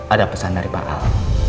ada pesan dari pak al